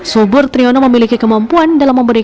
subur triyono memiliki kemampuan dalam memberi